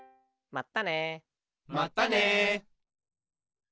まったね。